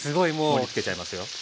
盛りつけちゃいますよ。